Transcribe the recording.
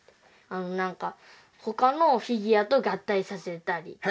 なんかほかのフィギュアとがったいさせたり。